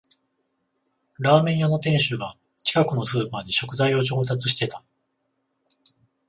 ラーメン屋の店主が近くのスーパーで食材を調達してた